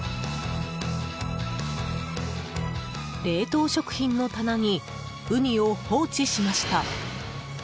冷凍食品の棚にウニを放置しました。